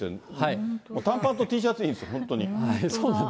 短パンとＴシャツでいいんです、本当に。